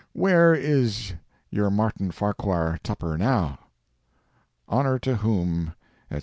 Where is your Martin Farquhar Tupper now? HONOR TO WHOM, &C.